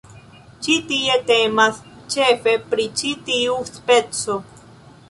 Ĉi tie temas ĉefe pri ĉi tiu speco.